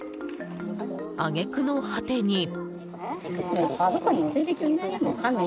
揚げ句の果てに。